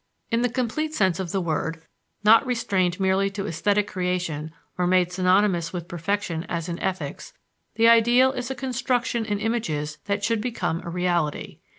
In the complete sense of the word not restrained merely to esthetic creation or made synonymous with perfection as in ethics the ideal is a construction in images that should become a reality.